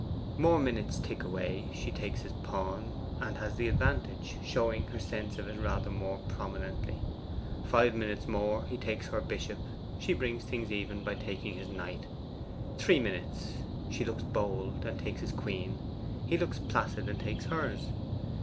More minutes tick away; she takes his pawn and has the advantage, showing her sense of it rather prominently. Five minutes more: he takes her bishop: she brings things even by taking his knight. Three minutes: she looks bold, and takes his queen: he looks placid, and takes hers.